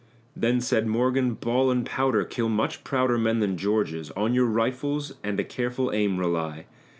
Then said Morgan, "Ball and powder kill much prouder men than George's; On your rifles and a careful aim rely.